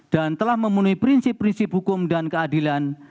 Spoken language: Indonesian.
dan telah memenuhi prinsip prinsip hukum dan keadilan